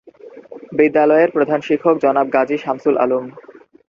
বিদ্যালয়ের প্রধান শিক্ষক জনাব গাজী শামসুল আলম।